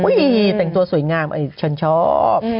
ดีแต่งตัวสวยงามฉันชอบ